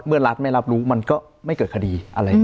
เมื่อรัฐไม่รับรู้มันก็ไม่เกิดคดี